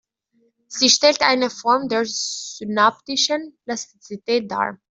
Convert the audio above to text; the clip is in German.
Sie stellt eine Form der synaptischen Plastizität dar.